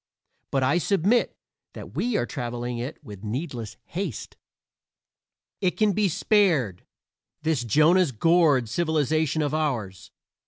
But I submit that we are traveling it with needless haste. It can be spared this Jonah's gourd civilization of ours.